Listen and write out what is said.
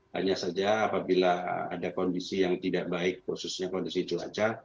hanya saja apabila ada kondisi yang tidak baik khususnya kondisi cuaca